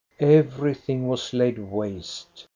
Everything was laid waste.